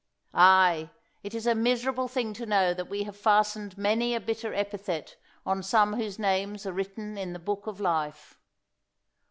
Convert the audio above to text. Ay, it is a miserable thing to know that we have fastened many a bitter epithet on some whose names are written in the Book of Life.